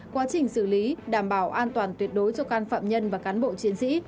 quá trình xử lý đảm bảo an toàn tuyệt đối cho can phạm nhân và cán bộ chiến sĩ